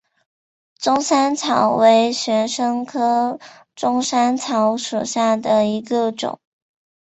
钟山草为玄参科钟山草属下的一个种。